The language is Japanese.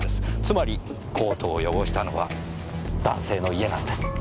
つまりコートを汚したのは男性の家なんです。